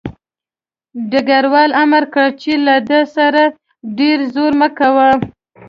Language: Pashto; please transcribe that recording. ډګروال امر کړی چې له ده سره ډېر زور مه کوئ